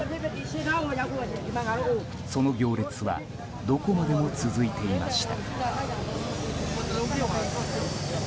その行列はどこまでも続いていました。